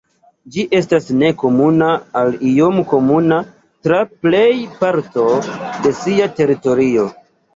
Ĝi estas nekomuna al iom komuna tra plej parto de sia teritorio.